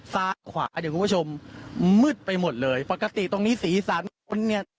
ซาขวาด้วยคุณผู้ชมมืดไปหมดเลยปกติตรงนี้สี่สารมันเนี่ย